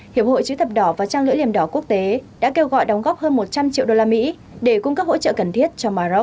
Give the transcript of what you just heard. hiệp hội chữ thập đỏ và trang lưỡi liềm đỏ quốc tế đã kêu gọi đóng góp hơn một trăm linh triệu đô la mỹ để cung cấp hỗ trợ cần thiết cho maroc